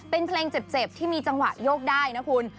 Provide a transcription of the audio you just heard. เป็นเพลงเจ็บที่มีจังหวะโยกได้นะคุณ